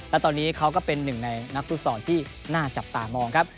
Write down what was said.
และตอนนี้เขาก็เป็นหนึ่งในนักฟุตซอลที่น่าจับตามองครับ